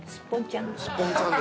すっぽんちゃん！